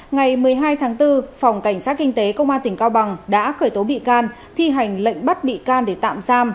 ngày một mươi hai tháng bốn phòng cảnh sát kinh tế công an tỉnh cao bằng đã khởi tố bị can thi hành lệnh bắt bị can để tạm giam